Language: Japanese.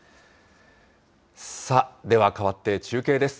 ではかわって中継です。